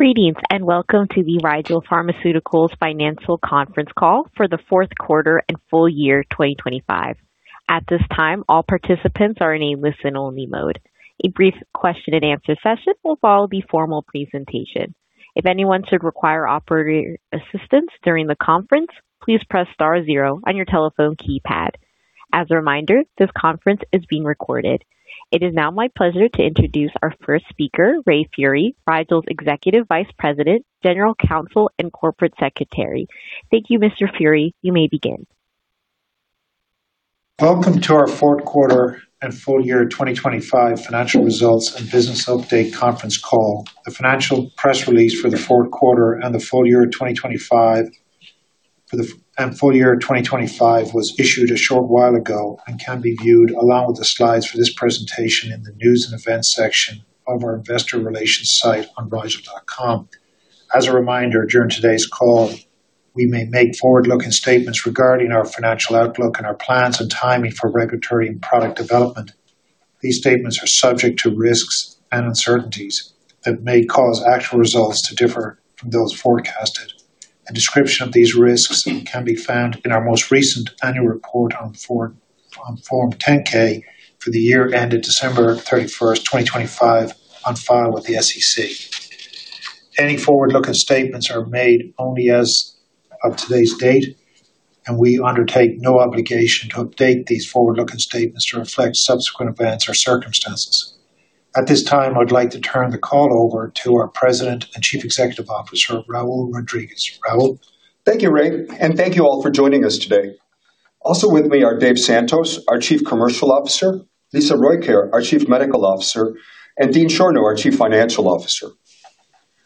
Greetings, and welcome to the Rigel Pharmaceuticals Financial Conference Call for the Fourth Quarter and Full Year 2025. At this time, all participants are in a listen-only mode. A brief question and answer session will follow the formal presentation. If anyone should require operator assistance during the conference, please press star 0 on your telephone keypad. As a reminder, this conference is being recorded. It is now my pleasure to introduce our first speaker, Ray Furey, Rigel's Executive Vice President, General Counsel, and Corporate Secretary. Thank you, Mr. Furey. You may begin. Welcome to our fourth quarter and full year 2025 financial results and business update conference call. The financial press release for the fourth quarter and the full year of 2025 was issued a short while ago and can be viewed along with the slides for this presentation in the News and Events section of our investor relations site on rigel.com. As a reminder, during today's call, we may make forward-looking statements regarding our financial outlook and our plans and timing for regulatory and product development. These statements are subject to risks and uncertainties that may cause actual results to differ from those forecasted. A description of these risks can be found in our most recent Annual Report on Form 10-K for the year ended December 31st, 2025, on file with the SEC. Any forward-looking statements are made only as of today's date. We undertake no obligation to update these forward-looking statements to reflect subsequent events or circumstances. At this time, I'd like to turn the call over to our President and Chief Executive Officer, Raul Rodriguez. Raul. Thank you, Ray, and thank you all for joining us today. Also with me are Dave Santos, our Chief Commercial Officer, Lisa Rojkjaer, our Chief Medical Officer, and Dean Schorno, our Chief Financial Officer.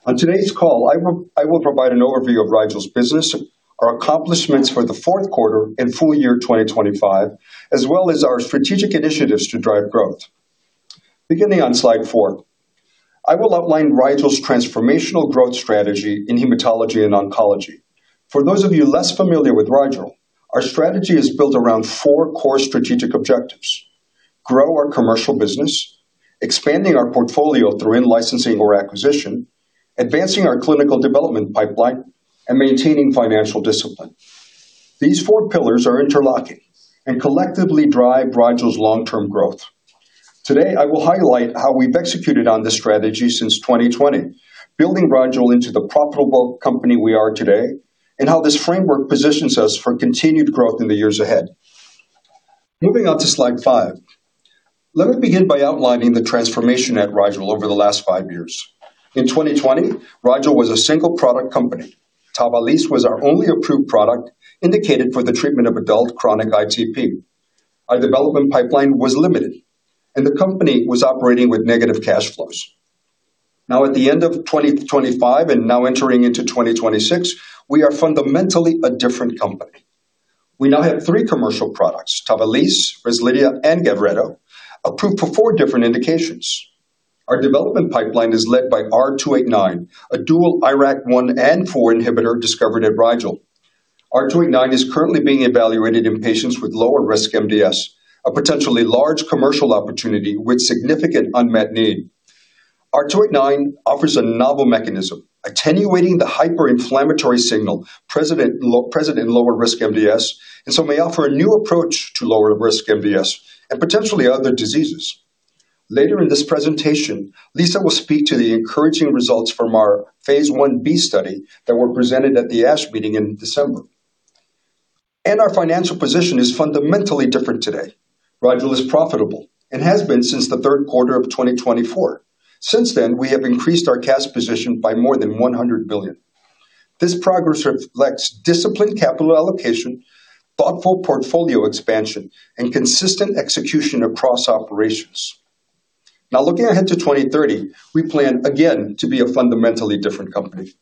On today's call, I will provide an overview of Rigel's business, our accomplishments for the fourth quarter and full year 2025, as well as our strategic initiatives to drive growth. Beginning on slide four, I will outline Rigel's transformational growth strategy in hematology and oncology. For those of you less familiar with Rigel, our strategy is built around four core strategic objectives. Grow our commercial business, expanding our portfolio through in-licensing or acquisition, advancing our clinical development pipeline, and maintaining financial discipline. These four pillars are interlocking and collectively drive Rigel's long-term growth. Today, I will highlight how we've executed on this strategy since 2020, building Rigel into the profitable company we are today, and how this framework positions us for continued growth in the years ahead. Moving on to slide five. Let me begin by outlining the transformation at Rigel over the last five years. In 2020, Rigel was a single-product company. TAVALISSE was our only approved product indicated for the treatment of adult chronic ITP. Our development pipeline was limited, and the company was operating with negative cash flows. Now at the end of 2025 and now entering into 2026, we are fundamentally a different company. We now have three commercial products, TAVALISSE, REZLIDHIA, and GAVRETO, approved for four different indications. Our development pipeline is led by R289, a dual IRAK1 and IRAK4 inhibitor discovered at Rigel. R289 is currently being evaluated in patients with lower risk MDS, a potentially large commercial opportunity with significant unmet need. R289 offers a novel mechanism attenuating the hyper-inflammatory signal present in lower risk MDS and so may offer a new approach to lower risk MDS and potentially other diseases. Later in this presentation, Lisa will speak to the encouraging results from our phase I-B study that were presented at the ASH meeting in December. Our financial position is fundamentally different today. Rigel is profitable and has been since the third quarter of 2024. Since then, we have increased our cash position by more than $100 billion. This progress reflects disciplined capital allocation, thoughtful portfolio expansion, and consistent execution across operations. Looking ahead to 2030, we plan again to be a fundamentally different company.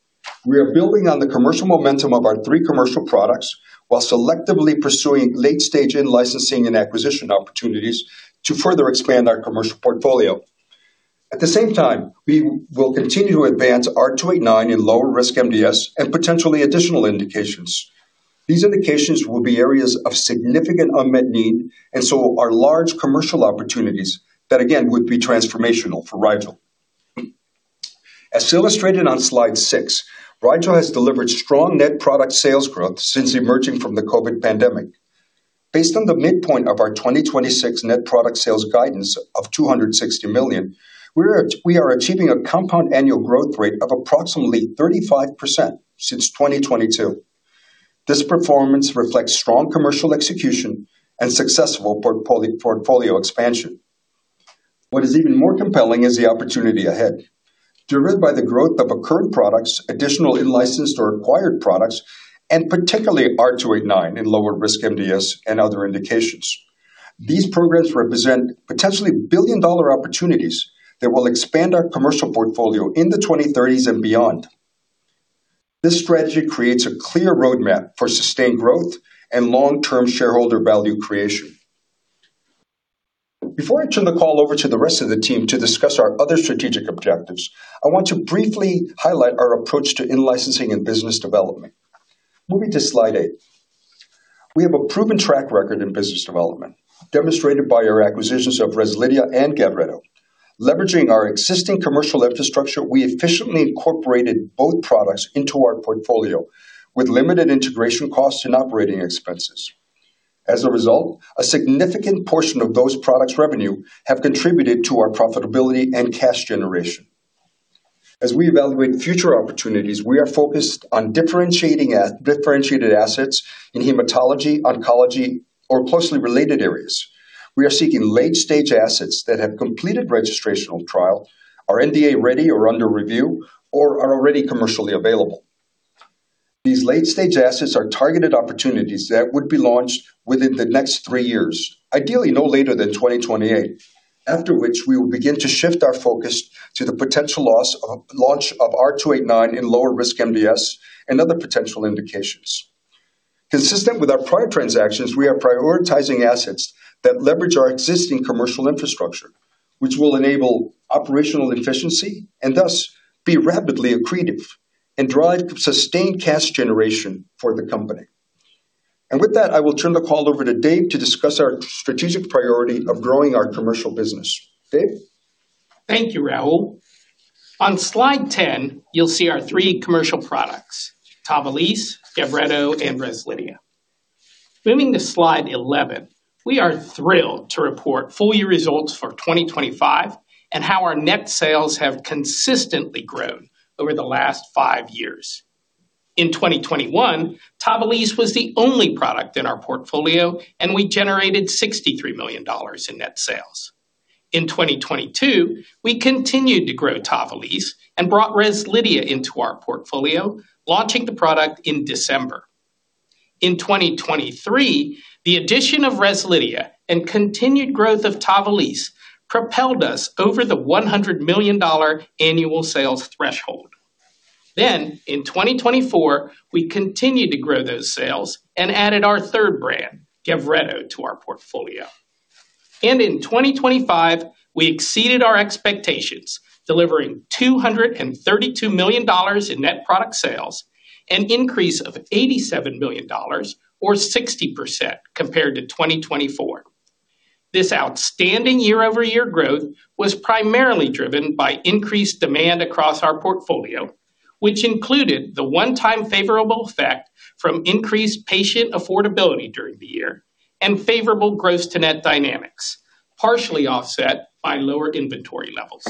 We are building on the commercial momentum of our three commercial products while selectively pursuing late-stage in-licensing and acquisition opportunities to further expand our commercial portfolio. At the same time, we will continue to advance R289 in lower risk MDS and potentially additional indications. These indications will be areas of significant unmet need and so are large commercial opportunities that again would be transformational for Rigel. As illustrated on slide six, Rigel has delivered strong net product sales growth since emerging from the COVID pandemic. Based on the midpoint of our 2026 net product sales guidance of $260 million, we are achieving a compound annual growth rate of approximately 35% since 2022. This performance reflects strong commercial execution and successful portfolio expansion. What is even more compelling is the opportunity ahead, driven by the growth of our current products, additional in-licensed or acquired products, and particularly R289 in lower risk MDS and other indications. These programs represent potentially billion-dollar opportunities that will expand our commercial portfolio in the 2030s and beyond. This strategy creates a clear roadmap for sustained growth and long-term shareholder value creation. Before I turn the call over to the rest of the team to discuss our other strategic objectives, I want to briefly highlight our approach to in-licensing and business development. Moving to slide eight. We have a proven track record in business development, demonstrated by our acquisitions of REZLIDHIA and GAVRETO. Leveraging our existing commercial infrastructure, we efficiently incorporated both products into our portfolio with limited integration costs and operating expenses. As a result, a significant portion of those products' revenue have contributed to our profitability and cash generation. As we evaluate future opportunities, we are focused on differentiating differentiated assets in hematology, oncology or closely related areas. We are seeking late-stage assets that have completed registrational trial, are NDA-ready or under review, or are already commercially available. These late-stage assets are targeted opportunities that would be launched within the next three years, ideally no later than 2028. After which, we will begin to shift our focus to the potential launch of R289 in lower risk MDS and other potential indications. Consistent with our prior transactions, we are prioritizing assets that leverage our existing commercial infrastructure, which will enable operational efficiency and thus be rapidly accretive and drive sustained cash generation for the company. With that, I will turn the call over to Dave to discuss our strategic priority of growing our commercial business. Dave? Thank you, Raul. On slide 10, you'll see our three commercial products, TAVALISSE, GAVRETO and REZLIDHIA. Moving to slide 11, we are thrilled to report full year results for 2025 and how our net sales have consistently grown over the last five years. In 2021, TAVALISSE was the only product in our portfolio, we generated $63 million in net sales. In 2022, we continued to grow TAVALISSE and brought REZLIDHIA into our portfolio, launching the product in December. In 2023, the addition of REZLIDHIA and continued growth of TAVALISSE propelled us over the $100 million annual sales threshold. In 2024, we continued to grow those sales and added our third brand, GAVRETO, to our portfolio. In 2025, we exceeded our expectations, delivering $232 million in net product sales, an increase of $87 million or 60% compared to 2024. This outstanding year-over-year growth was primarily driven by increased demand across our portfolio, which included the one-time favorable effect from increased patient affordability during the year and favorable gross to net dynamics, partially offset by lower inventory levels.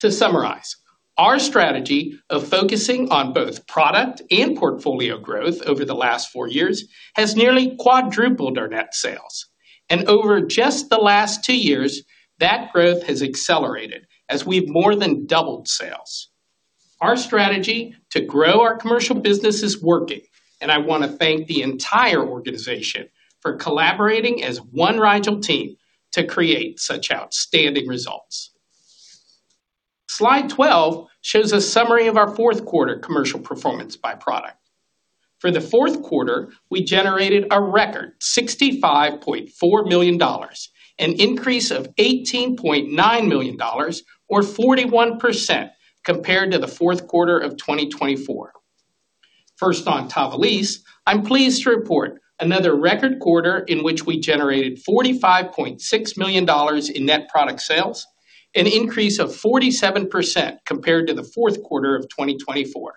To summarize, our strategy of focusing on both product and portfolio growth over the last four years has nearly quadrupled our net sales. Over just the last two years, that growth has accelerated as we've more than doubled sales. Our strategy to grow our commercial business is working, and I wanna thank the entire organization for collaborating as one Rigel team to create such outstanding results. Slide 12 shows a summary of our fourth quarter commercial performance by product. For the fourth quarter, we generated a record $65.4 million, an increase of $18.9 million or 41% compared to the fourth quarter of 2024. On TAVALISSE, I'm pleased to report another record quarter in which we generated $45.6 million in net product sales, an increase of 47% compared to the fourth quarter of 2024.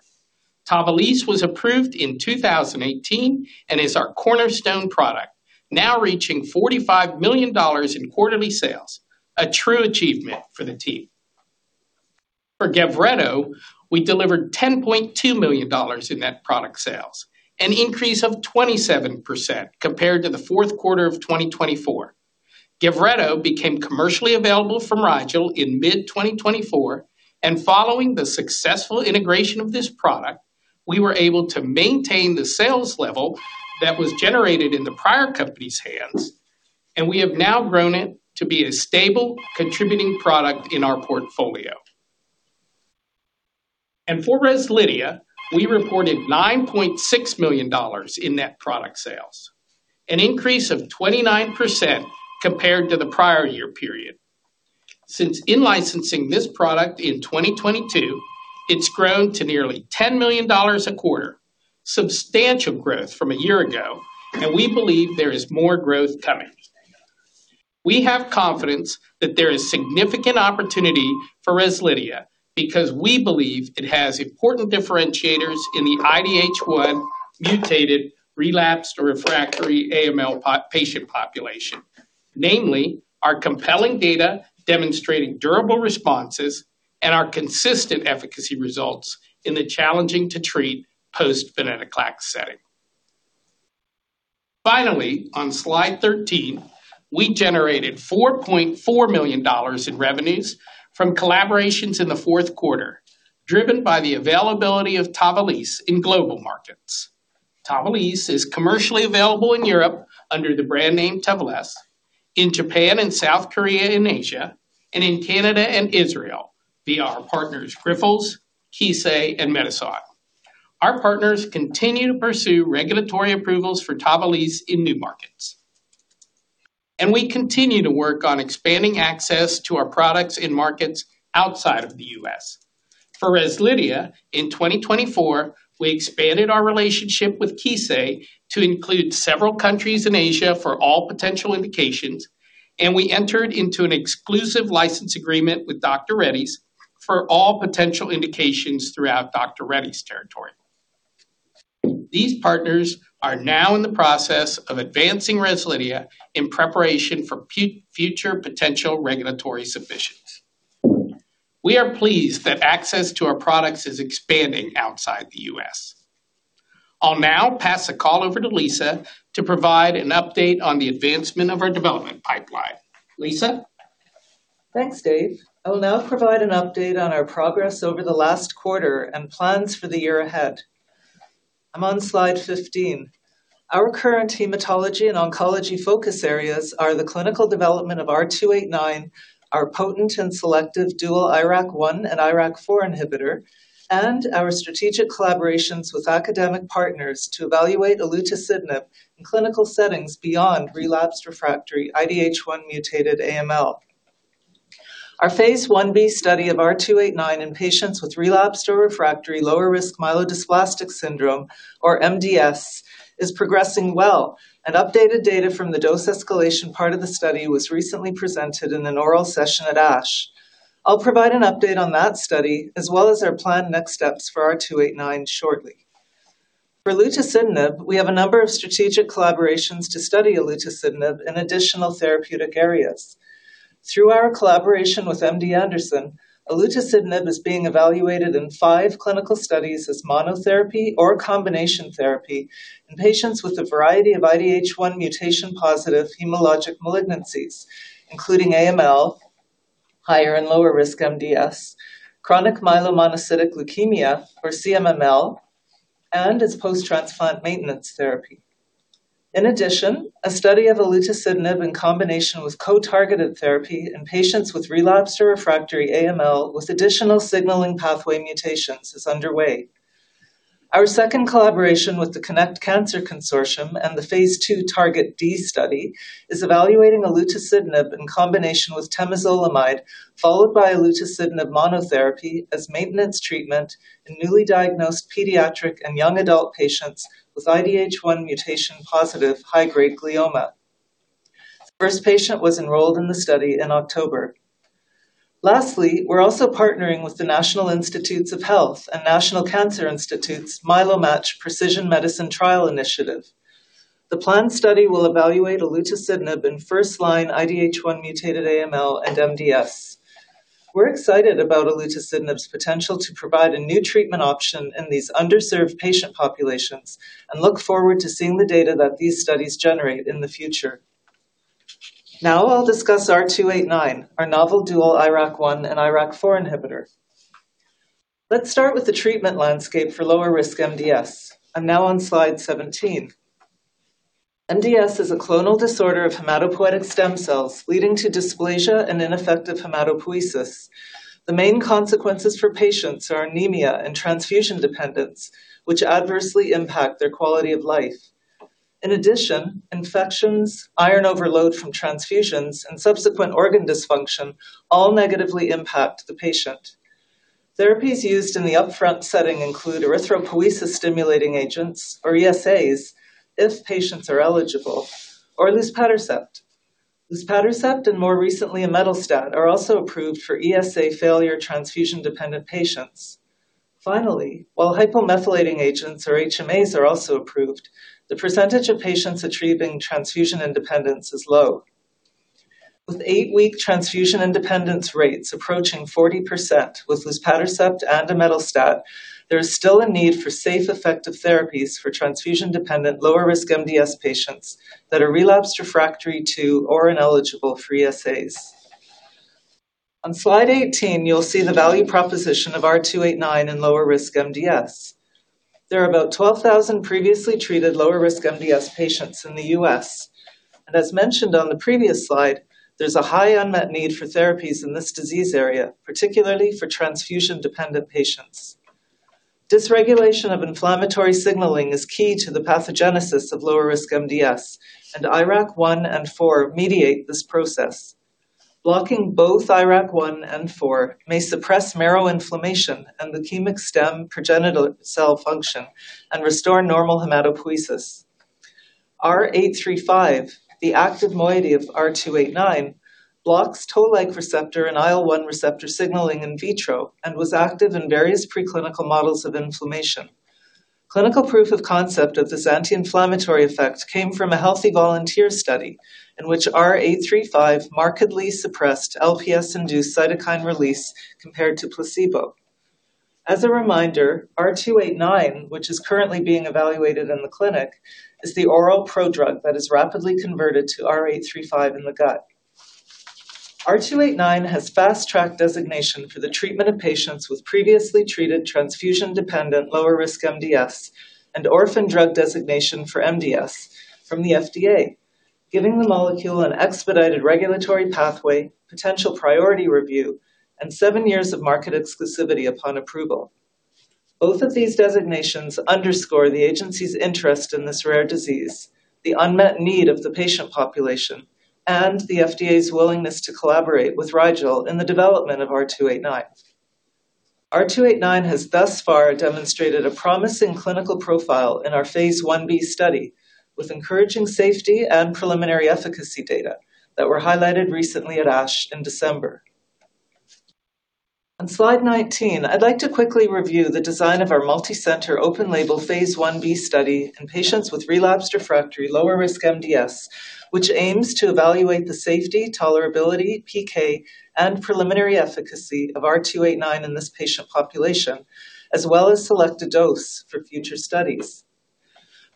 TAVALISSE was approved in 2018 and is our cornerstone product, now reaching $45 million in quarterly sales, a true achievement for the team. For GAVRETO, we delivered $10.2 million in net product sales, an increase of 27% compared to the fourth quarter of 2024. GAVRETO became commercially available from Rigel in mid-2024. Following the successful integration of this product, we were able to maintain the sales level that was generated in the prior company's hands. We have now grown it to be a stable contributing product in our portfolio. For REZLIDHIA, we reported $9.6 million in net product sales, an increase of 29% compared to the prior year period. Since in-licensing this product in 2022, it's grown to nearly $10 million a quarter, substantial growth from a year ago. We believe there is more growth coming. We have confidence that there is significant opportunity for REZLIDHIA because we believe it has important differentiators in the IDH1 mutated, relapsed or refractory AML patient population. Namely, our compelling data demonstrating durable responses and our consistent efficacy results in the challenging to treat post-venetoclax setting. Finally, on slide 13, we generated $4.4 million in revenues from collaborations in the 4th quarter, driven by the availability of TAVALISSE in global markets. TAVALISSE is commercially available in Europe under the brand name TAVLESSE, in Japan and South Korea in Asia, and in Canada and Israel via our partners, Grifols, Kissei, and Medison. Our partners continue to pursue regulatory approvals for TAVALISSE in new markets. We continue to work on expanding access to our products in markets outside of the U.S. For REZLIDHIA, in 2024, we expanded our relationship with Kissei to include several countries in Asia for all potential indications, and we entered into an exclusive license agreement with Dr. Reddy's for all potential indications throughout Dr. Reddy's territory. These partners are now in the process of advancing REZLIDHIA in preparation for future potential regulatory submissions. We are pleased that access to our products is expanding outside the U.S. I'll now pass the call over to Lisa to provide an update on the advancement of our development pipeline. Lisa? Thanks, Dave. I will now provide an update on our progress over the last quarter and plans for the year ahead. I'm on slide 15. Our current hematology and oncology focus areas are the clinical development of R289, our potent and selective dual IRAK1 and IRAK4 inhibitor, and our strategic collaborations with academic partners to evaluate olutasidenib in clinical settings beyond relapsed/refractory IDH1-mutated AML. Our phase I-B study of R289 in patients with relapsed or refractory lower-risk myelodysplastic syndrome or MDS is progressing well, and updated data from the dose escalation part of the study was recently presented in an oral session at ASH. I'll provide an update on that study as well as our planned next steps for R289 shortly. For olutasidenib, we have a number of strategic collaborations to study olutasidenib in additional therapeutic areas. Through our collaboration with MD Anderson, olutasidenib is being evaluated in five clinical studies as monotherapy or combination therapy in patients with a variety of IDH1 mutation-positive hematologic malignancies, including AML, higher and lower risk MDS, Chronic Myelomonocytic Leukemia or CMML, and as post-transplant maintenance therapy. In addition, a study of olutasidenib in combination with co-targeted therapy in patients with relapsed or refractory AML with additional signaling pathway mutations is underway. Our second collaboration with the CONNECT Cancer Consortium and the phase II TarGeT-D study is evaluating olutasidenib in combination with temozolomide, followed by olutasidenib monotherapy as maintenance treatment in newly diagnosed pediatric and young adult patients with IDH1 mutation-positive high-grade glioma. The 1st patient was enrolled in the study in October. Lastly, we're also partnering with the National Institutes of Health and National Cancer Institute's MyeloMATCH Precision Medicine trial initiative. The planned study will evaluate olutasidenib in first-line IDH1-mutated AML and MDS. We're excited about olutasidenib's potential to provide a new treatment option in these underserved patient populations and look forward to seeing the data that these studies generate in the future. I'll discuss R289, our novel dual IRAK1 and IRAK4 inhibitor. Let's start with the treatment landscape for lower risk MDS. I'm now on slide 17. MDS is a clonal disorder of hematopoietic stem cells leading to dysplasia and ineffective hematopoiesis. The main consequences for patients are anemia and transfusion dependence, which adversely impact their quality of life. In addition, infections, iron overload from transfusions, and subsequent organ dysfunction all negatively impact the patient. Therapies used in the upfront setting include erythropoiesis-stimulating agents or ESAs if patients are eligible or luspatercept. Luspatercept and more recently, imetelstat are also approved for ESA failure transfusion-dependent patients. Finally, while hypomethylating agents or HMAs are also approved, the percentage of patients achieving transfusion independence is low. With 8-week transfusion independence rates approaching 40% with luspatercept and imetelstat, there is still a need for safe, effective therapies for transfusion-dependent lower risk MDS patients that are relapsed/refractory to or ineligible for ESAs. On slide 18, you'll see the value proposition of R289 in lower risk MDS. There are about 12,000 previously treated lower risk MDS patients in the U.S. As mentioned on the previous slide, there's a high unmet need for therapies in this disease area, particularly for transfusion-dependent patients. Dysregulation of inflammatory signaling is key to the pathogenesis of lower risk MDS, and IRAK1 and IRAK4 mediate this process. Blocking both IRAK1 and IRAK4 may suppress marrow inflammation and leukemic stem progenitor cell function and restore normal hematopoiesis. R835, the active moiety of R289, blocks Toll-like receptor and IL-1 receptor signaling in vitro and was active in various preclinical models of inflammation. Clinical proof of concept of this anti-inflammatory effect came from a healthy volunteer study in which R835 markedly suppressed LPS-induced cytokine release compared to placebo. As a reminder, R289, which is currently being evaluated in the clinic, is the oral prodrug that is rapidly converted to R835 in the gut. R289 has Fast Track designation for the treatment of patients with previously treated transfusion-dependent lower risk MDS and Orphan Drug Designation for MDS from the FDA, giving the molecule an expedited regulatory pathway, potential priority review, and 7 years of market exclusivity upon approval. Both of these designations underscore the agency's interest in this rare disease, the unmet need of the patient population, and the FDA's willingness to collaborate with Rigel in the development of R289. R289 has thus far demonstrated a promising clinical profile in our phase I-B study, with encouraging safety and preliminary efficacy data that were highlighted recently at ASH in December. On slide 19, I'd like to quickly review the design of our multicenter, open-label phase I-B study in patients with relapsed/refractory lower-risk MDS, which aims to evaluate the safety, tolerability, PK, and preliminary efficacy of R289 in this patient population, as well as select a dose for future studies.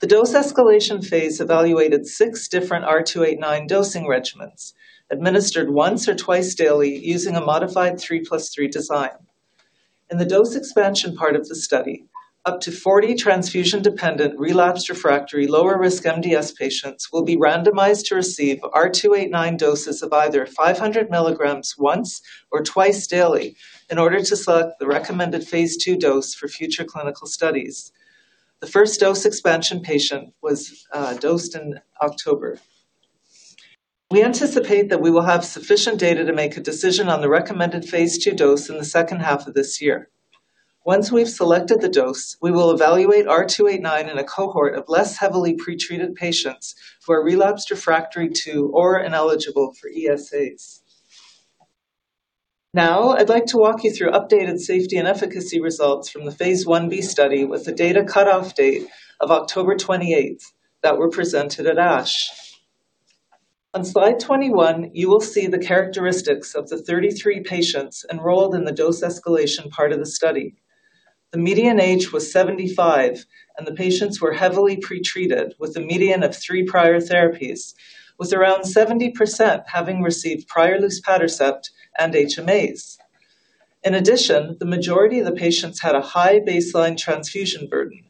The dose escalation phase evaluated six different R289 dosing regimens administered once or twice daily using a modified three plus three design. In the dose expansion part of the study, up to 40 transfusion-dependent, relapsed/refractory lower-risk MDS patients will be randomized to receive R289 doses of either 500 mg once or twice daily in order to select the recommended phase II dose for future clinical studies. The first dose expansion patient was dosed in October. We anticipate that we will have sufficient data to make a decision on the recommended phase II dose in the second half of this year. Once we've selected the dose, we will evaluate R289 in a cohort of less heavily pretreated patients who are relapsed/refractory to or ineligible for ESAs. I'd like to walk you through updated safety and efficacy results from the phase I-B study with the data cutoff date of October 28th that were presented at ASH. On slide 21, you will see the characteristics of the 33 patients enrolled in the dose escalation part of the study. The median age was 75, and the patients were heavily pretreated with a median of three prior therapies, with around 70% having received prior luspatercept and HMAs. In addition, the majority of the patients had a high baseline transfusion burden.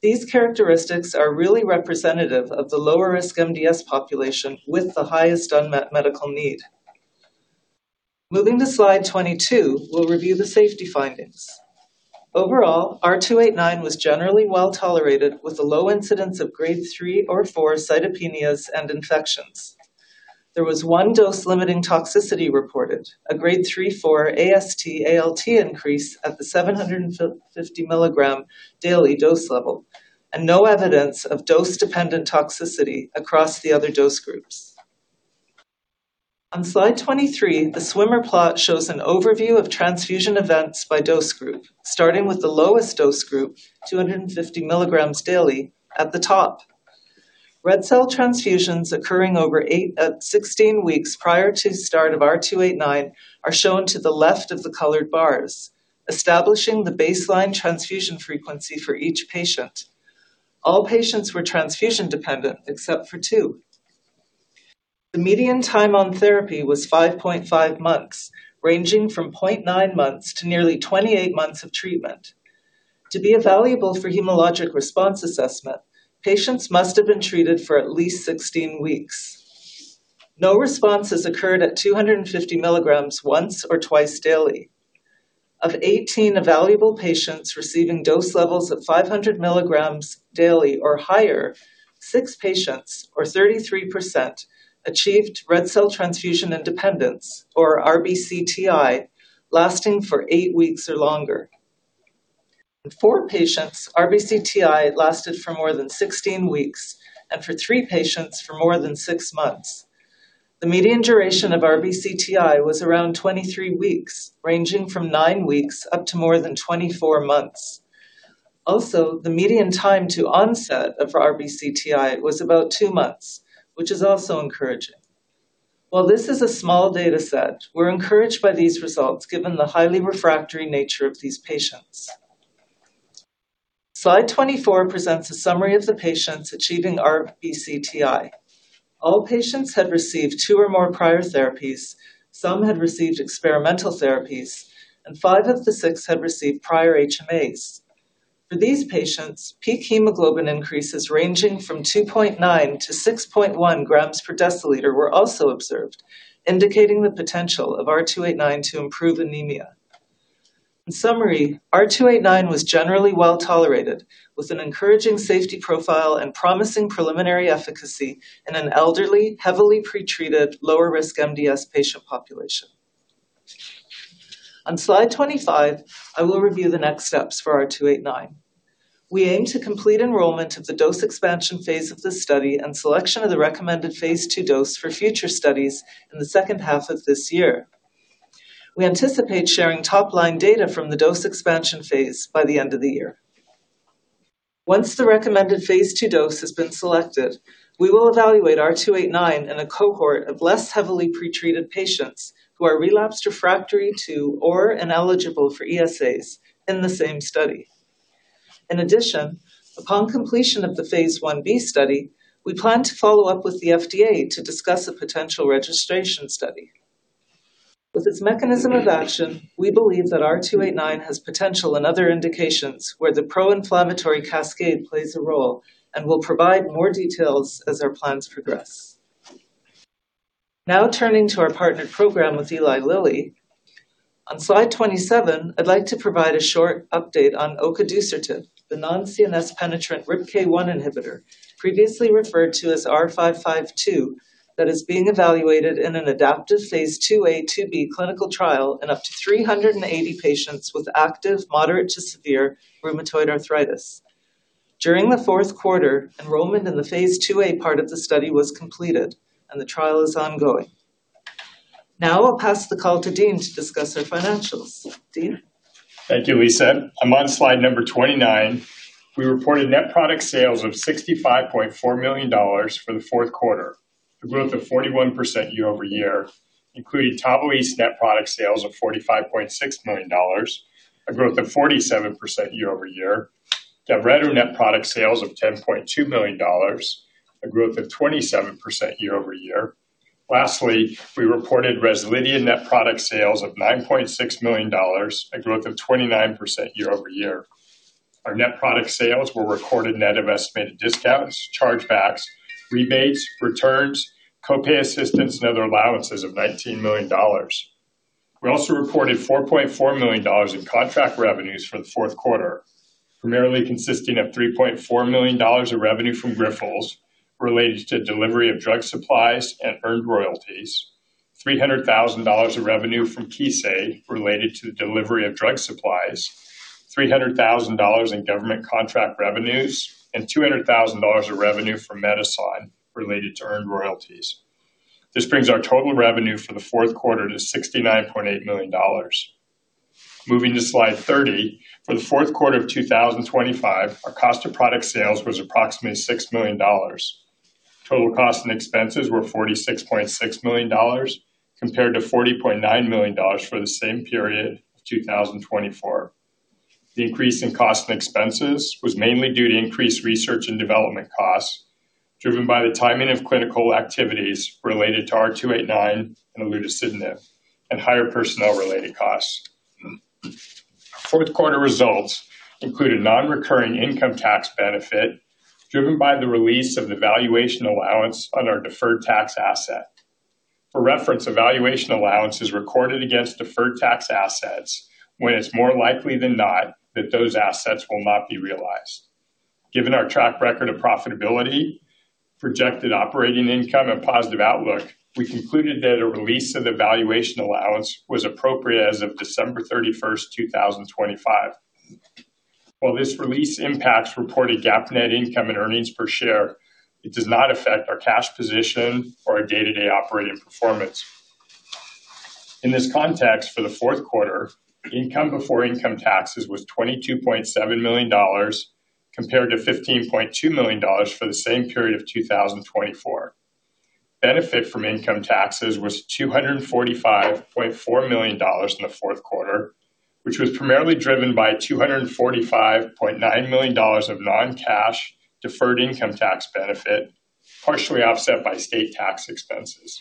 These characteristics are really representative of the lower-risk MDS population with the highest unmet medical need. Moving to slide 22, we'll review the safety findings. Overall, R289 was generally well-tolerated, with a low incidence of Grade 3 or Grade 4 cytopenias and infections. There was one dose-limiting toxicity reported, a Grade 3/4 AST/ALT increase at the 750 milligram daily dose level, and no evidence of dose-dependent toxicity across the other dose groups. On slide 23, the swimmer plot shows an overview of transfusion events by dose group, starting with the lowest dose group, 250 milligrams daily, at the top. Red cell transfusions occurring over 8, 16 weeks prior to start of R289 are shown to the left of the colored bars, establishing the baseline transfusion frequency for each patient. All patients were transfusion-dependent except for two. The median time on therapy was 5.5 months, ranging from 0.9 months to nearly 28 months of treatment. To be evaluable for hematologic response assessment, patients must have been treated for at least 16 weeks. No responses occurred at 250 milligrams once or twice daily. Of 18 evaluable patients receiving dose levels of 500 milligrams daily or higher, six patients or 33%, achieved red cell transfusion independence, or RBCTI, lasting for eight weeks or longer. In four patients, RBCTI lasted for more than 16 weeks, and for three patients for more than six months. The median duration of RBCTI was around 23 weeks, ranging from nine weeks up to more than 24 months. Also, the median time to onset of RBCTI was about two months, which is also encouraging. While this is a small data set, we're encouraged by these results given the highly refractory nature of these patients. Slide 24 presents a summary of the patients achieving RBCTI. All patients had received two or more prior therapies, some had received experimental therapies, and five of the six had received prior HMAs. For these patients, peak hemoglobin increases ranging from 2.9-6.1 grams per deciliter were also observed, indicating the potential of R289 to improve anemia. In summary, R289 was generally well-tolerated, with an encouraging safety profile and promising preliminary efficacy in an elderly, heavily pretreated lower-risk MDS patient population. On slide 25, I will review the next steps for R289. We aim to complete enrollment of the dose expansion phase of the study and selection of the recommended phase II dose for future studies in the second half of this year. We anticipate sharing top-line data from the dose expansion phase by the end of the year. Once the recommended phase II dose has been selected, we will evaluate R289 in a cohort of less heavily pretreated patients who are relapsed/refractory to or ineligible for ESAs in the same study. In addition, upon completion of the phase I-B study, we plan to follow up with the FDA to discuss a potential registration study. With its mechanism of action, we believe that R289 has potential in other indications where the pro-inflammatory cascade plays a role and will provide more details as our plans progress. Now turning to our partner program with Eli Lilly. On slide 27, I'd like to provide a short update on ocadusertib, the non-CNS penetrant RIPK1 inhibitor, previously referred to as R552, that is being evaluated in an adaptive phase II-A/II-B clinical trial in up to 380 patients with active moderate to severe rheumatoid arthritis. During the fourth quarter, enrollment in the phase II-A part of the study was completed, and the trial is ongoing. Now I'll pass the call to Dean to discuss our financials. Dean. Thank you, Lisa. I'm on slide number 29. We reported net product sales of $65.4 million for the fourth quarter, a growth of 41% year-over-year, including TAVALISSE's net product sales of $45.6 million, a growth of 47% year-over-year. GAVRETO net product sales of $10.2 million, a growth of 27% year-over-year. Lastly, we reported REZLIDHIA net product sales of $9.6 million, a growth of 29% year-over-year. Our net product sales were recorded net of estimated discounts, chargebacks, rebates, returns, co-pay assistance, and other allowances of $19 million. We also reported $4.4 million in contract revenues for the fourth quarter, primarily consisting of $3.4 million of revenue from Grifols related to delivery of drug supplies and earned royalties, $300,000 of revenue from Kissei related to the delivery of drug supplies, $300,000 in government contract revenues, and $200,000 of revenue from Medison related to earned royalties. This brings our total revenue for the fourth quarter to $69.8 million. Moving to slide 30. For the fourth quarter of 2025, our cost of product sales was approximately $6 million. Total costs and expenses were $46.6 million compared to $49 million for the same period of 2024. The increase in cost and expenses was mainly due to increased research and development costs driven by the timing of clinical activities related to R289 and olutasidenib and higher personnel-related costs. Fourth quarter results include a non-recurring income tax benefit driven by the release of the valuation allowance on our deferred tax asset. For reference, a valuation allowance is recorded against deferred tax assets when it is more likely than not that those assets will not be realized. Given our track record of profitability, projected operating income, and positive outlook, we concluded that a release of the valuation allowance was appropriate as of December 31, 2025. While this release impacts reported GAAP net income and earnings per share, it does not affect our cash position or our day-to-day operating performance. In this context, for the fourth quarter, income before income taxes was $22.7 million compared to $15.2 million for the same period of 2024. Benefit from income taxes was $245.4 million in the fourth quarter, which was primarily driven by $245.9 million of non-cash deferred income tax benefit, partially offset by state tax expenses.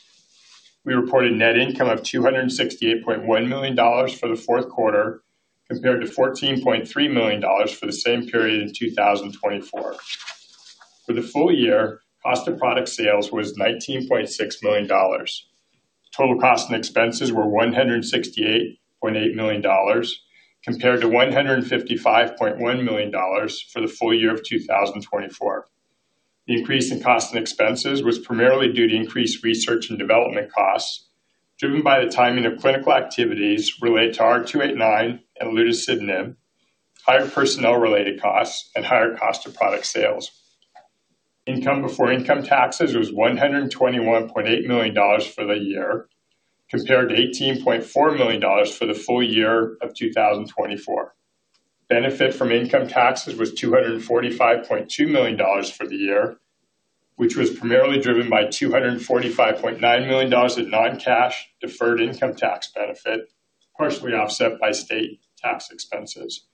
We reported net income of $268.1 million for the fourth quarter, compared to $14.3 million for the same period in 2024. For the full year, cost of product sales was $19.6 million. Total costs and expenses were $168.8 million, compared to $155.1 million for the full year of 2024. The increase in costs and expenses was primarily due to increased research and development costs driven by the timing of clinical activities related to R289 and olutasidenib, higher personnel-related costs, and higher cost of product sales. Income before income taxes was $121.8 million for the year, compared to $18.4 million for the full year of 2024. Benefit from income taxes was $245.2 million for the year, which was primarily driven by $245.9 million of non-cash deferred income tax benefit, partially offset by state tax expenses.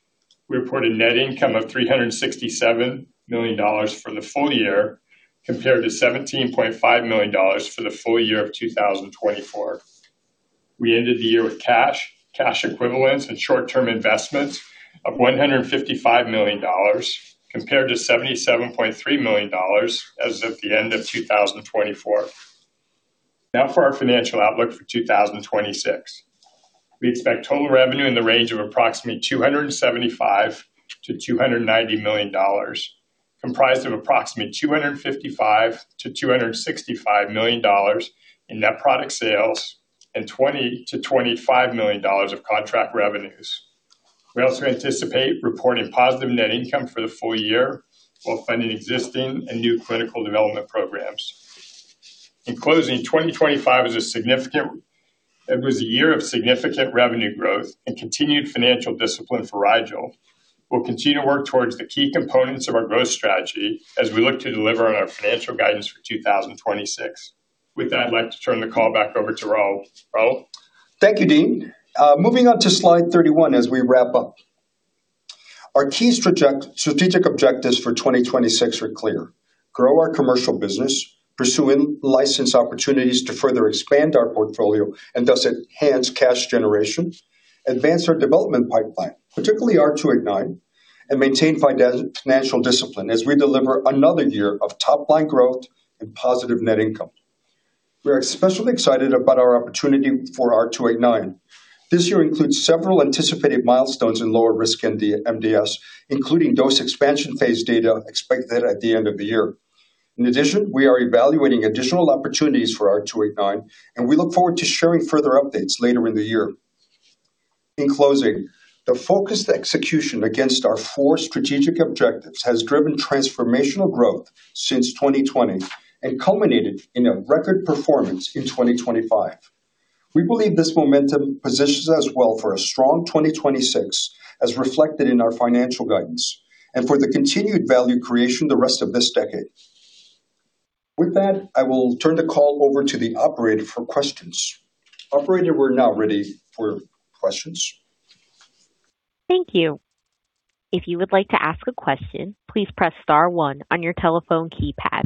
We reported net income of $367 million for the full year, compared to $17.5 million for the full year of 2024. We ended the year with cash equivalents and short-term investments of $155 million compared to $77.3 million as of the end of 2024. For our financial outlook for 2026. We expect total revenue in the range of approximately $275 million-$290 million, comprised of approximately $255 million-$265 million in net product sales and $20 million-$25 million of contract revenues. We also anticipate reporting positive net income for the full year while funding existing and new clinical development programs. In closing, 2025 is a significant... It was a year of significant revenue growth and continued financial discipline for Rigel. We'll continue to work towards the key components of our growth strategy as we look to deliver on our financial guidance for 2026. With that, I'd like to turn the call back over to Raul. Raul? Thank you, Dean. Moving on to slide 31 as we wrap up. Our key strategic objectives for 2026 are clear: grow our commercial business, pursue in-license opportunities to further expand our portfolio and thus enhance cash generation, advance our development pipeline, particularly R289, and maintain financial discipline as we deliver another year of top-line growth and positive net income. We are especially excited about our opportunity for R289. This year includes several anticipated milestones in lower risk MD-MDS, including dose expansion phase data expected at the end of the year. We are evaluating additional opportunities for R289, and we look forward to sharing further updates later in the year. The focused execution against our four strategic objectives has driven transformational growth since 2020 and culminated in a record performance in 2025. We believe this momentum positions us well for a strong 2026, as reflected in our financial guidance and for the continued value creation the rest of this decade. I will turn the call over to the operator for questions. Operator, we're now ready for questions. Thank you. If you would like to ask a question, please press star one on your telephone keypad.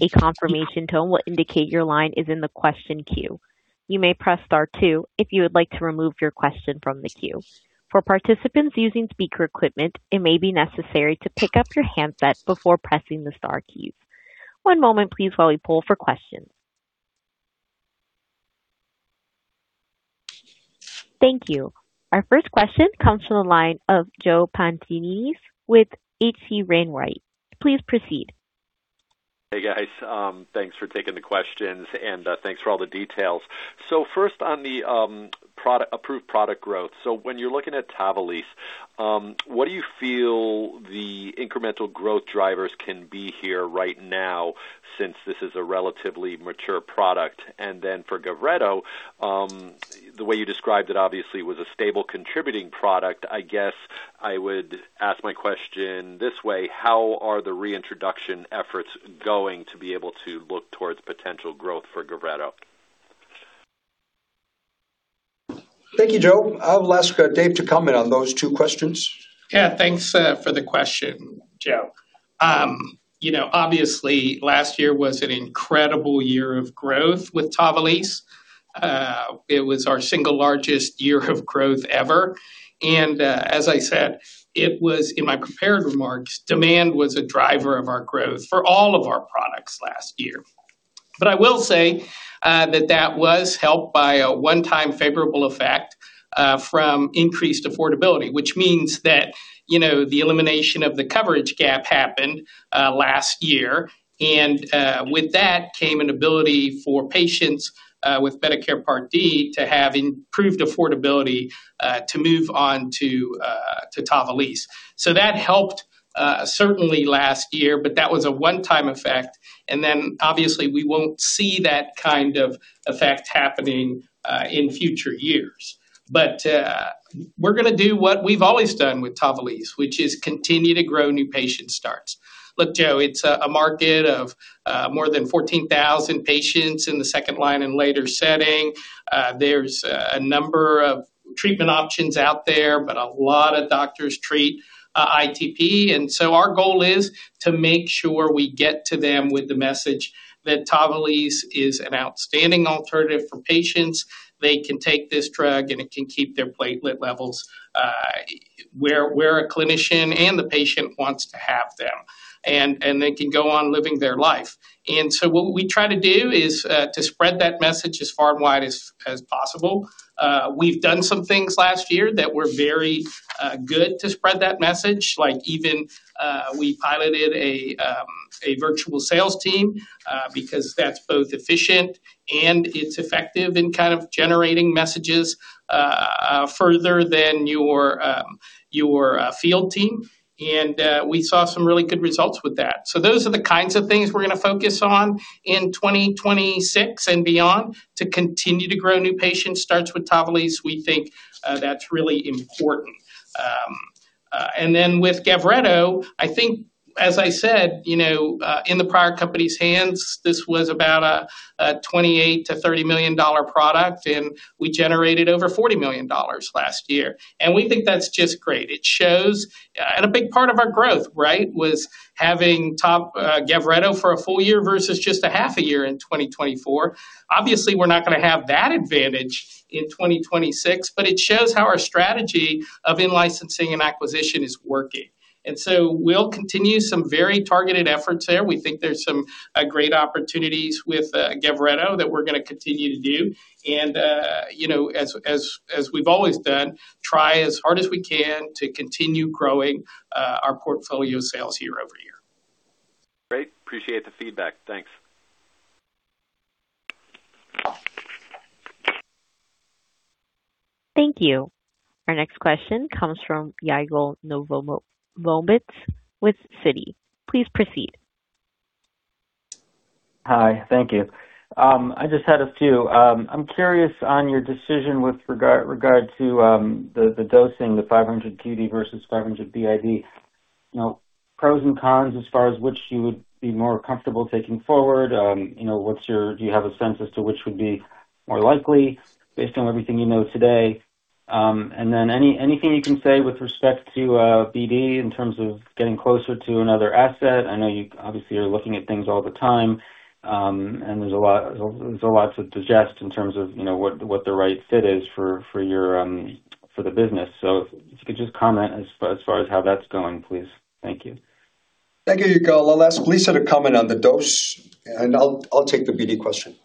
A confirmation tone will indicate your line is in the question queue. You may press star two if you would like to remove your question from the queue. For participants using speaker equipment, it may be necessary to pick up your handset before pressing the star keys. One moment, please, while we poll for questions. Thank you. Our first question comes from the line of Joe Pantginis with H.C. Wainwright & Co. Please proceed. Hey, guys. Thanks for taking the questions, and thanks for all the details. First on the product-approved product growth. When you're looking at TAVALISSE, what do you feel the incremental growth drivers can be here right now since this is a relatively mature product? For GAVRETO, the way you described it obviously was a stable contributing product. I guess I would ask my question this way: How are the reintroduction efforts going to be able to look towards potential growth for GAVRETO? Thank you, Joe. I'll ask Dave to comment on those two questions. Yeah, thanks for the question, Joe. You know, obviously last year was an incredible year of growth with TAVALISSE. It was our single largest year of growth ever. As I said, it was in my prepared remarks, demand was a driver of our growth for all of our products last year. I will say that that was helped by a one-time favorable effect from increased affordability, which means that, you know, the elimination of the coverage gap happened last year. With that came an ability for patients with Medicare Part D to have improved affordability to move on to TAVALISSE. That helped certainly last year, but that was a one-time effect. Obviously we won't see that kind of effect happening in future years. We're gonna do what we've always done with TAVALISSE, which is continue to grow new patient starts. Look, Joe, it's a market of more than 14,000 patients in the second-line and later setting. There's a number of treatment options out there, but a lot of doctors treat ITP. Our goal is to make sure we get to them with the message that TAVALISSE is an outstanding alternative for patients. They can take this drug, and it can keep their platelet levels where a clinician and the patient wants to have them, and they can go on living their life. What we try to do is to spread that message as far and wide as possible. We've done some things last year that were very good to spread that message, like even we piloted a virtual sales team because that's both efficient and it's effective in kind of generating messages further than your field team. We saw some really good results with that. Those are the kinds of things we're gonna focus on in 2026 and beyond to continue to grow new patient starts with TAVALISSE. We think that's really important. Then with GAVRETO, I think, as I said, you know, in the prior company's hands, this was about a $28 million-$30 million product, and we generated over $40 million last year. We think that's just great. It shows... A big part of our growth, right? Was having top GAVRETO for a full year versus just a half a year in 2024. Obviously, we're not gonna have that advantage in 2026, but it shows how our strategy of in-licensing and acquisition is working. So we'll continue some very targeted efforts there. We think there's some great opportunities with GAVRETO that we're gonna continue to do, and you know, as we've always done, try as hard as we can to continue growing our portfolio sales year-over-year. Great. Appreciate the feedback. Thanks. Thank you. Our next question comes from Yigal Nochomovitz with Citi. Please proceed. Hi. Thank you. I just had a few. I'm curious on your decision with regard to the dosing, the 500 QD versus 500 BID. You know, pros and cons as far as which you would be more comfortable taking forward. You know, do you have a sense as to which would be more likely based on everything you know today? Anything you can say with respect to BD in terms of getting closer to another asset? I know you obviously are looking at things all the time, there's a lot to digest in terms of, you know, what the right fit is for your business. If you could just comment as far as how that's going, please. Thank you. Thank you, Yigal. I'll ask Lisa to comment on the dose, and I'll take the BD question.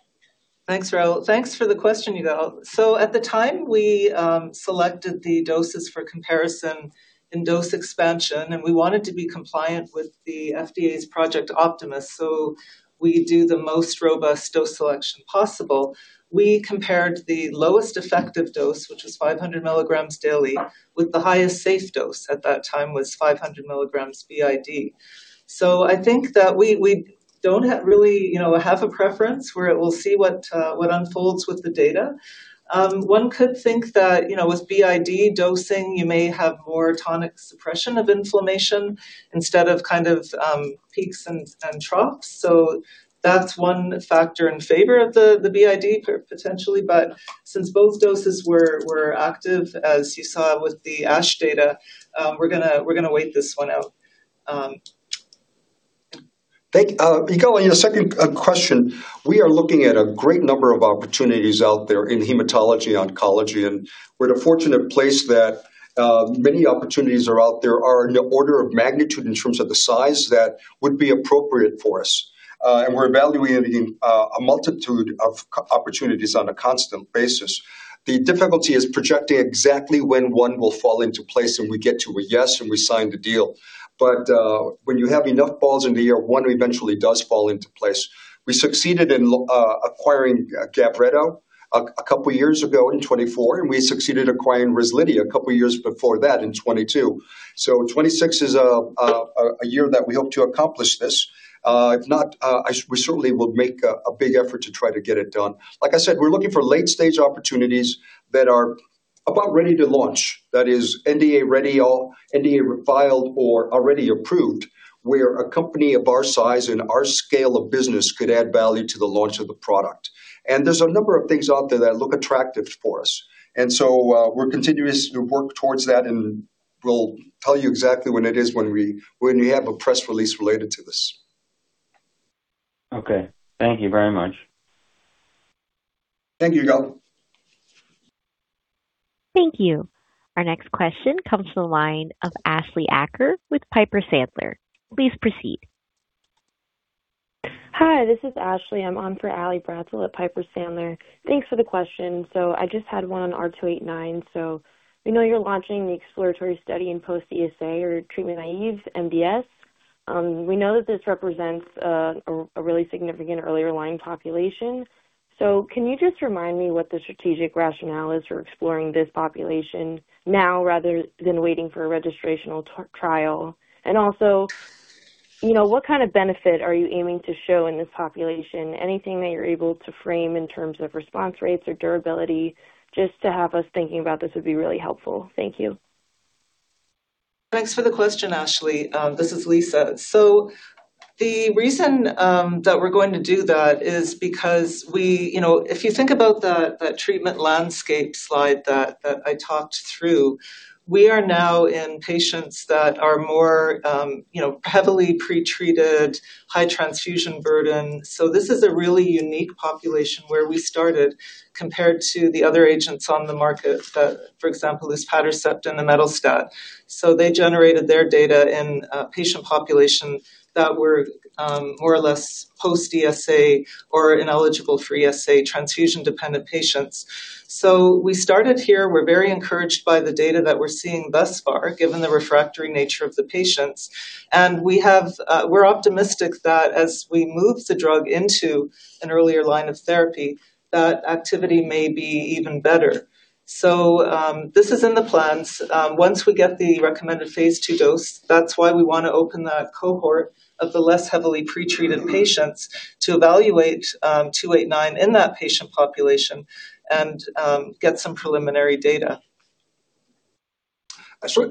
Thanks, Raul. Thanks for the question, Yigal. At the time we selected the doses for comparison in dose expansion, and we wanted to be compliant with the FDA's Project Optimus, so we do the most robust dose selection possible. We compared the lowest effective dose, which was 500 mg daily, with the highest safe dose at that time was 500 mg BID. I think that we don't have really, you know, have a preference. We'll see what unfolds with the data. One could think that, you know, with BID dosing you may have more tonic suppression of inflammation instead of kind of peaks and troughs. That's one factor in favor of the BID potentially. Since both doses were active, as you saw with the ASH data, we're gonna wait this one out. Thank you. Yigal, on your second question, we are looking at a great number of opportunities out there in hematology oncology. We're at a fortunate place that many opportunities are out there are in the order of magnitude in terms of the size that would be appropriate for us. We're evaluating a multitude of opportunities on a constant basis. The difficulty is projecting exactly when one will fall into place, and we get to a yes, and we sign the deal. When you have enough balls in the air, one eventually does fall into place. We succeeded in acquiring GAVRETO a couple of years ago in 2024, and we succeeded acquiring REZLIDHIA a couple years before that in 2022. 2026 is a year that we hope to accomplish this. If not, we certainly will make a big effort to try to get it done. Like I said, we're looking for late-stage opportunities that are about ready to launch. That is NDA ready or NDA filed or already approved, where a company of our size and our scale of business could add value to the launch of the product. There's a number of things out there that look attractive for us. We're continuous to work towards that, and we'll tell you exactly when it is when we have a press release related to this. Okay. Thank you very much. Thank you, Yigal. Thank you. Our next question comes from the line of Ashleigh Acker with Piper Sandler. Please proceed. Hi, this is Ashley. I'm on for Ali Bratzel at Piper Sandler. Thanks for the question. I just had one on R289. We know you're launching the exploratory study in post ESA or treatment-naive MDS. We know that this represents a really significant earlier line population. Can you just remind me what the strategic rationale is for exploring this population now rather than waiting for a registrational trial? Also, you know, what kind of benefit are you aiming to show in this population? Anything that you're able to frame in terms of response rates or durability, just to have us thinking about this would be really helpful. Thank you. Thanks for the question, Ashley. This is Lisa. The reason that we're going to do that is because, you know, if you think about that treatment landscape slide that I talked through, we are now in patients that are more, you know, heavily pretreated, high transfusion burden. This is a really unique population where we started compared to the other agents on the market that, for example, luspatercept and imetelstat. They generated their data in a patient population that were more or less post ESA or ineligible for ESA transfusion-dependent patients. We started here. We're very encouraged by the data that we're seeing thus far, given the refractory nature of the patients. We have, we're optimistic that as we move the drug into an earlier line of therapy, that activity may be even better. This is in the plans. Once we get the recommended phase II dose, that's why we wanna open that cohort of the less heavily pretreated patients to evaluate R289 in that patient population and get some preliminary data.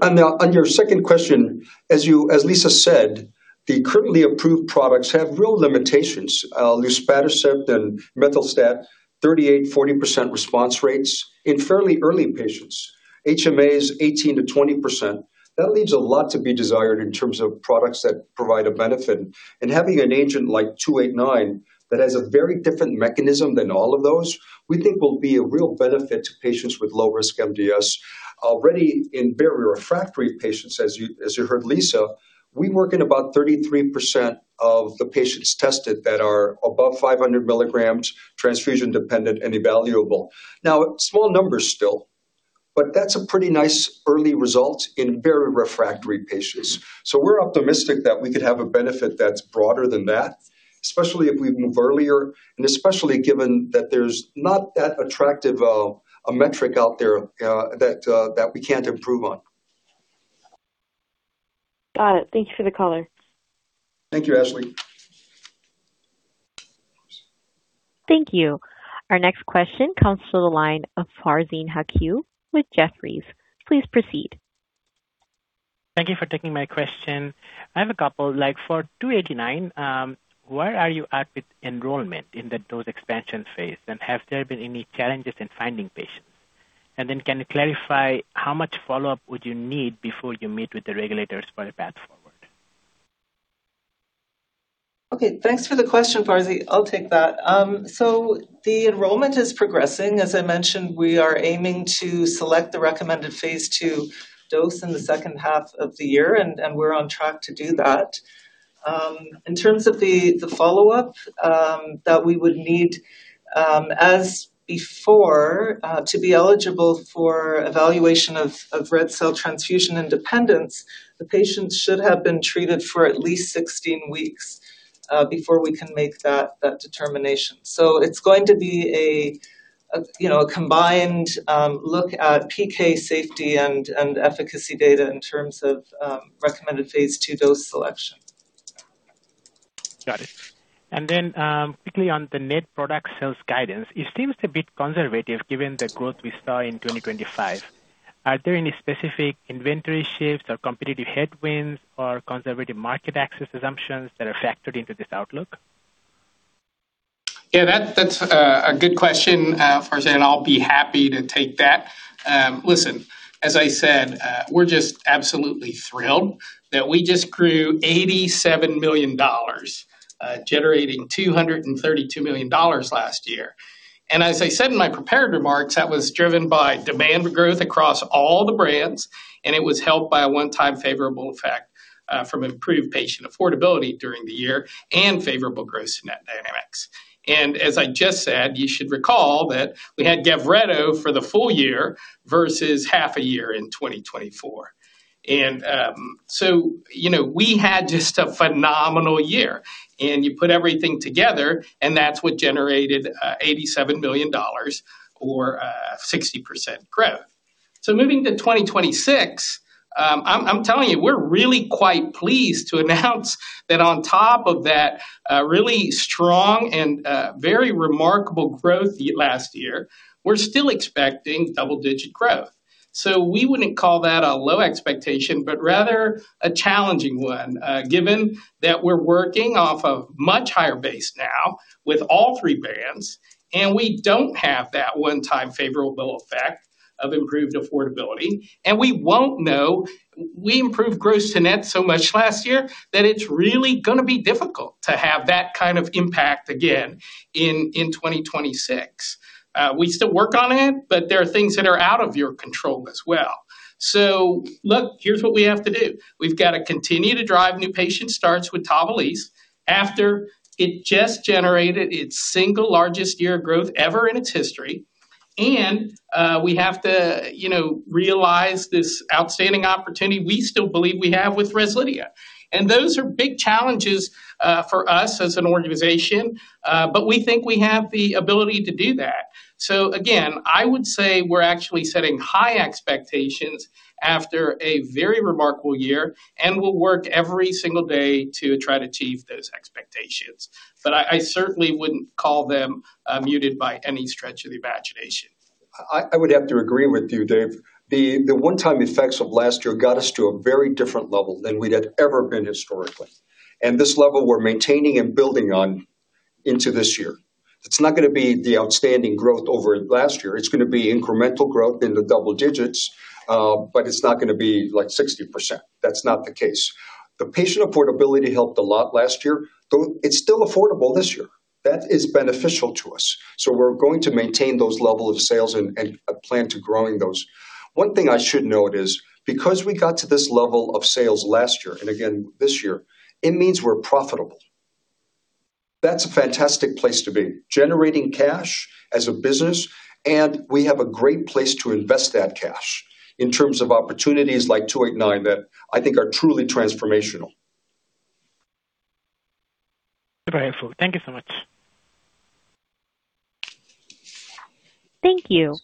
On your second question, as Lisa said, the currently approved products have real limitations. luspatercept and imetelstat, 38%, 40% response rates in fairly early patients. HMA is 18%-20%. That leaves a lot to be desired in terms of products that provide a benefit. Having an agent like R289 that has a very different mechanism than all of those, we think will be a real benefit to patients with low-risk MDS. Already in very refractory patients, as you heard, Lisa, we work in about 33% of the patients tested that are above 500 mg, transfusion dependent and evaluable. Small numbers still, but that's a pretty nice early result in very refractory patients. We're optimistic that we could have a benefit that's broader than that, especially if we move earlier, and especially given that there's not that attractive of a metric out there, that we can't improve on. Got it. Thank you for the color. Thank you, Ashleigh. Thank you. Our next question comes to the line of Farzin Haque with Jefferies. Please proceed. Thank you for taking my question. I have a couple. Like for R289, where are you at with enrollment in the dose expansion phase? Have there been any challenges in finding patients? Can you clarify how much follow-up would you need before you meet with the regulators for a path forward? Thanks for the question, Farzi. I'll take that. The enrollment is progressing. As I mentioned, we are aiming to select the recommended phase II dose in the second half of the year, and we're on track to do that. In terms of the follow-up that we would need as before to be eligible for evaluation of red cell transfusion independence, the patients should have been treated for at least 16 weeks before we can make that determination. It's going to be a, you know, a combined look at PK safety and efficacy data in terms of recommended phase II dose selection. Got it. Quickly on the net product sales guidance. It seems a bit conservative given the growth we saw in 2025. Are there any specific inventory shifts or competitive headwinds or conservative market access assumptions that are factored into this outlook? Yeah, that's a good question, Farzin Haque. I'll be happy to take that. Listen, as I said, we're just absolutely thrilled that we just grew $87 million, generating $232 million last year. As I said in my prepared remarks, that was driven by demand growth across all the brands, and it was helped by a one-time favorable effect from improved patient affordability during the year and favorable gross net dynamics. As I just said, you should recall that we had GAVRETO for the full year versus half a year in 2024. You know, we had just a phenomenal year, and you put everything together, and that's what generated $87 million or 60% growth. Moving to 2026, I'm telling you, we're really quite pleased to announce that on top of that, really strong and very remarkable growth last year, we're still expecting double-digit growth. We wouldn't call that a low expectation, but rather a challenging one, given that we're working off a much higher base now with all three brands, and we don't have that one-time favorable effect of improved affordability. We won't know. We improved gross to net so much last year that it's really gonna be difficult to have that kind of impact again in 2026. We still work on it, but there are things that are out of your control as well. Look, here's what we have to do. We've got to continue to drive new patient starts with TAVALISSE after it just generated its single largest year of growth ever in its history. We have to, you know, realize this outstanding opportunity we still believe we have with REZLIDHIA. Those are big challenges, for us as an organization, but we think we have the ability to do that. Again, I would say we're actually setting high expectations after a very remarkable year, and we'll work every single day to try to achieve those expectations. I certainly wouldn't call them, muted by any stretch of the imagination. I would have to agree with you, Dave. The one-time effects of last year got us to a very different level than we had ever been historically. This level we're maintaining and building on into this year. It's not gonna be the outstanding growth over last year. It's gonna be incremental growth in the double digits, but it's not gonna be like 60%. That's not the case. The patient affordability helped a lot last year, though it's still affordable this year. That is beneficial to us. We're going to maintain those level of sales and plan to growing those. One thing I should note is because we got to this level of sales last year, and again this year, it means we're profitable. That's a fantastic place to be, generating cash as a business. We have a great place to invest that cash in terms of opportunities like R289 that I think are truly transformational. Very helpful. Thank you so much. Thank you.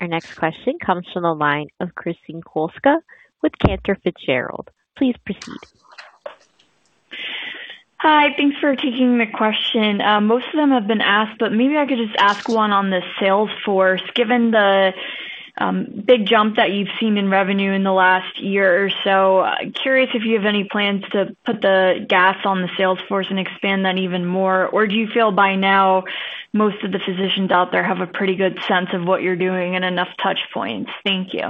Our next question comes from the line of Kristen Kluska with Cantor Fitzgerald. Please proceed. Hi. Thanks for taking the question. Most of them have been asked, maybe I could just ask one on the sales force. Given the big jump that you've seen in revenue in the last year or so, curious if you have any plans to put the gas on the sales force and expand that even more? Or do you feel by now most of the physicians out there have a pretty good sense of what you're doing and enough touch points? Thank you.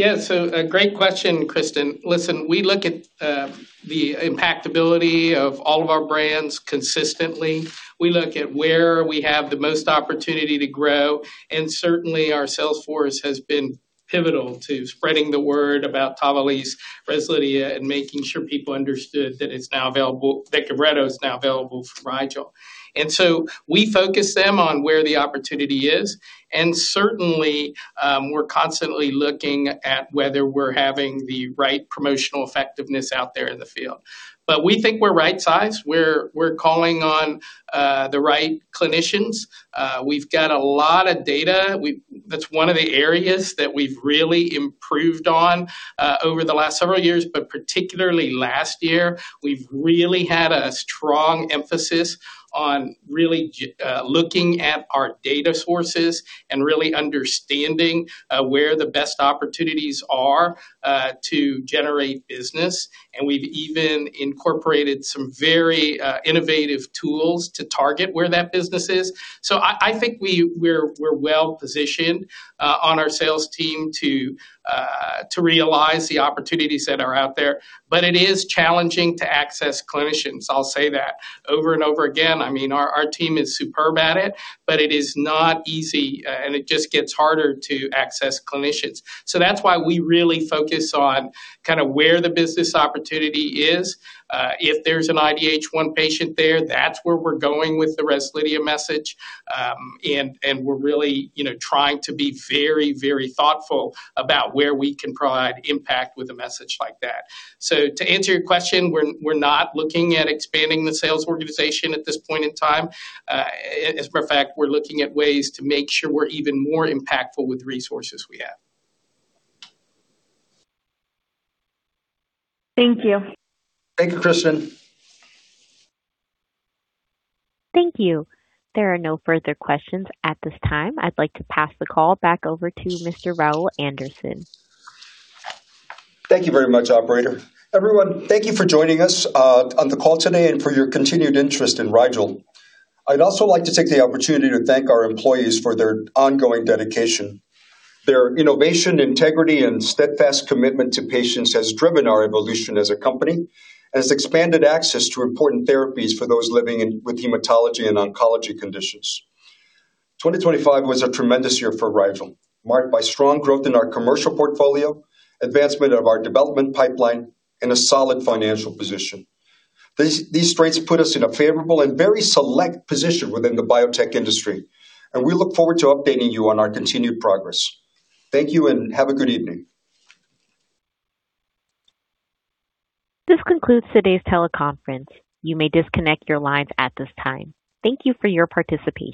A great question, Kristen. Listen, we look at the impactability of all of our brands consistently. We look at where we have the most opportunity to grow. Certainly, our sales force has been pivotal to spreading the word about TAVALISSE, REZLIDHIA, and making sure people understood that GAVRETO is now available for Rigel. We focus them on where the opportunity is. Certainly, we're constantly looking at whether we're having the right promotional effectiveness out there in the field. We think we're right size. We're calling on the right clinicians. We've got a lot of data. That's one of the areas that we've really improved on over the last several years, but particularly last year. We've really had a strong emphasis on really looking at our data sources and really understanding where the best opportunities are to generate business. We've even incorporated some very innovative tools to target where that business is. I think we're well-positioned on our sales team to realize the opportunities that are out there. It is challenging to access clinicians, I'll say that over and over again. I mean, our team is superb at it, but it is not easy, and it just gets harder to access clinicians. That's why we really focus on kinda where the business opportunity is. If there's an IDH1 patient there, that's where we're going with the REZLIDHIA message. We're really, you know, trying to be very, very thoughtful about where we can provide impact with a message like that. To answer your question, we're not looking at expanding the sales organization at this point in time. As a matter of fact, we're looking at ways to make sure we're even more impactful with resources we have. Thank you. Thank you, Kristen. Thank you. There are no further questions at this time. I'd like to pass the call back over to Mr. Raul Rodriguez. Thank you very much, operator. Everyone, thank you for joining us on the call today and for your continued interest in Rigel. I'd also like to take the opportunity to thank our employees for their ongoing dedication. Their innovation, integrity, and steadfast commitment to patients has driven our evolution as a company, has expanded access to important therapies for those living with hematology and oncology conditions. 2025 was a tremendous year for Rigel, marked by strong growth in our commercial portfolio, advancement of our development pipeline, and a solid financial position. These strengths put us in a favorable and very select position within the biotech industry, we look forward to updating you on our continued progress. Thank you, have a good evening. This concludes today's teleconference. You may disconnect your lines at this time. Thank you for your participation.